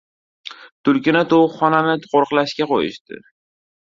• Tulkini tovuqxonani qo‘riqlashga qo‘yishdi.